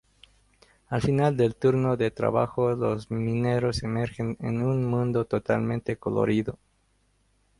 Al final del turno de trabajo, los mineros emergen en un mundo totalmente colorido.